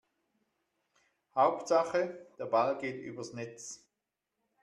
Hauptsache der Ball geht übers Netz.